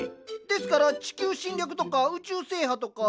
ですから地球侵略とか宇宙制覇とか。